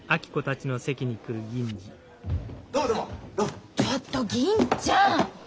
ちょっと銀ちゃん！